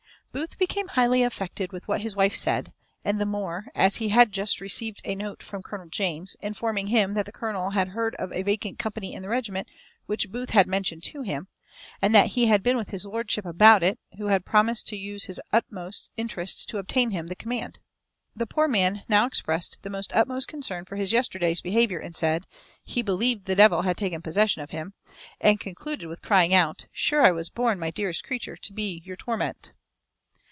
Booth became highly affected with what his wife said, and the more, as he had just received a note from Colonel James, informing him that the colonel had heard of a vacant company in the regiment which Booth had mentioned to him, and that he had been with his lordship about it, who had promised to use his utmost interest to obtain him the command. The poor man now exprest the utmost concern for his yesterday's behaviour, said "he believed the devil had taken possession of him," and concluded with crying out, "Sure I was born, my dearest creature, to be your torment."